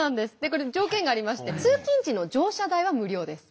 これ条件がありまして通勤時の乗車代は無料です。